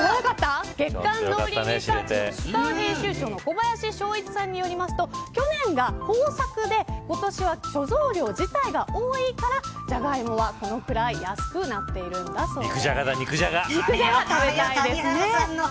月刊農林リサーチ編集長の小林彰一さんによりますと去年が豊作で今年は貯蔵料理菜が多いからジャガイモはこのくらい安くなっているんだそうです。